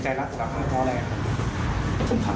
ไม่รู้ครับผมไม่กลัวดีเลยครับ